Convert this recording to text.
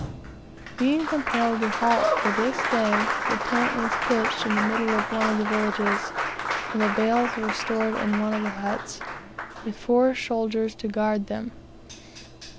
Being compelled to halt for this day, the tent was pitched in the middle of one of the villages, and the bales were stored in one of the huts, with four soldiers to guard them.